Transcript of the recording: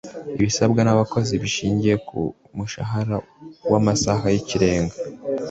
ibisabwa n'abakozi bishingiye ku mushahara w'amasaha y'ikirenga